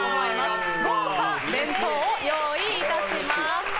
豪華弁当を用意いたします。